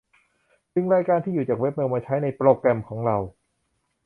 ดึงรายการที่อยู่ จากเว็บเมล มาใช้ในโปรแกรมของเรา